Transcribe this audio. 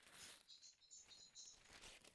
ډیپلومات د اقتصادي اړیکو پیاوړتیا لپاره کار کوي